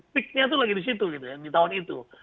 peaknya itu lagi di situ gitu ya di tahun itu